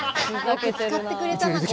よく使ってくれたなここ。